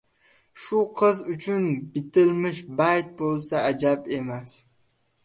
"Shu qiz uchun bitilmish bayt bo‘lsa ajab emas".